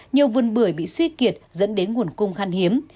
nhiều vườn bưởi bị suy kiệt dẫn đến nguồn cung khăn hiếm